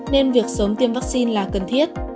nên việc sớm tiêm vaccine là cần thiết